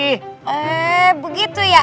eh begitu ya